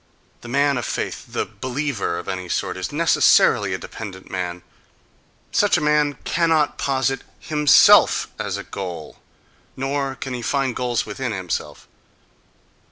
The man of faith, the "believer" of any sort, is necessarily a dependent man—such a man cannot posit himself as a goal, nor can he find goals within himself.